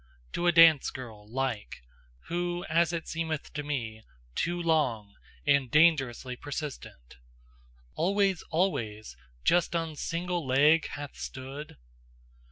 To a dance girl like, who as it seem'th to me, Too long, and dangerously persistent, Always, always, just on SINGLE leg hath stood?